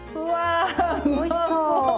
おいしそう！